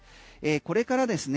これからですね